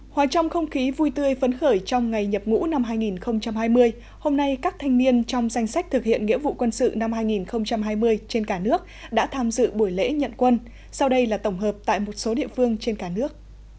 hòa trong không khí vui tươi phấn khởi trong ngày nhập ngũ năm hai nghìn hai mươi hôm nay các thanh niên trong danh sách thực hiện nghĩa vụ quân sự năm hai nghìn hai mươi trên cả nước đã tham dự buổi lễ nhận quân sau đây là tổng hợp tại một số địa phương trên cả nước